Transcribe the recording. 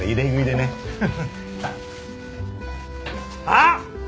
あっ！